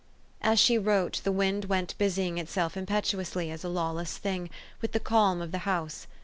As she wrote, the wind went busying itself im petuously as a lawless feeling, with the calm of the house.